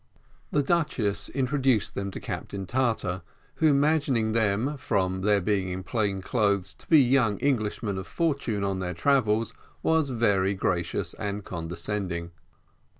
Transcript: The duchess introduced them to Captain Tartar, who, imagining them, from their being in plain clothes, to be young Englishmen of fortune on their travels, was very gracious and condescending.